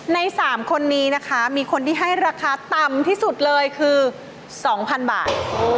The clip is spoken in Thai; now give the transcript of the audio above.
ใน๓คนนี้นะคะมีคนที่ให้ราคาต่ำที่สุดเลยคือ๒๐๐๐บาท